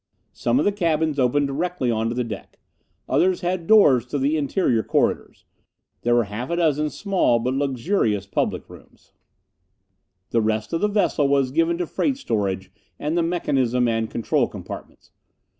Some of the cabins opened directly onto the deck. Others had doors to the interior corridors. There were half a dozen small but luxurious public rooms. The rest of the vessel was given to freight storage and the mechanism and control compartments.